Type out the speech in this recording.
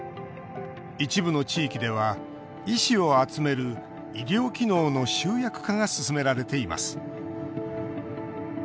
一部の地域では医師を集める医療機能の集約化が進められています